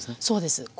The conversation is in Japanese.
そうです。